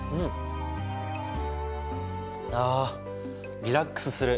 あリラックスする。